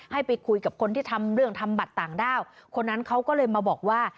ให้ไปคุยกับคนที่ทำเรื่องทำบัตรต่างด้าวคนนั้นเขาก็เลยมาบอกว่า